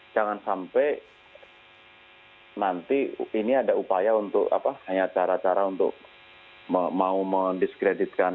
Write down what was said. jangan sampai nanti ini ada upaya untuk hanya cara cara untuk mau mendiskreditkan